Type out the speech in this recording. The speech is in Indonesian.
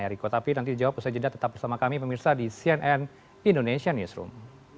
eriko tapi nanti jawab saja tetap bersama kami pemirsa di cnn indonesia newsroom